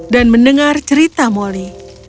dan mendengar cerita moli